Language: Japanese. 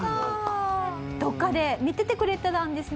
どこかで見ててくれていたんですね。